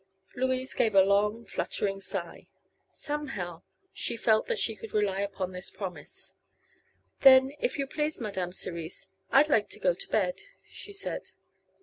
Louise gave a long, fluttering sigh. Somehow, she felt that she could rely upon this promise. "Then, if you please, Madame Cerise, I'd like to go to bed," she said.